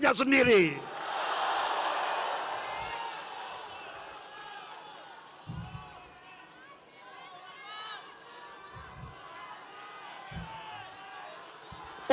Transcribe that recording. kita harus menjadi bangsa yang mampu membela rakyatnya sendiri